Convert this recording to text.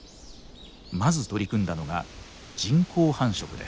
まず取り組んだのが人工繁殖です。